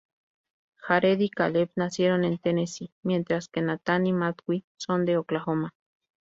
Jared y Caleb nacieron en Tennessee, mientras que Nathan y Matthew son de Oklahoma.